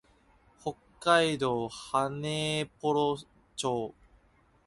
北海道羽幌町